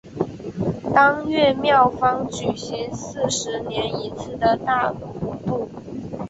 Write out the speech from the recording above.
当月庙方举行四十年一次的大普度。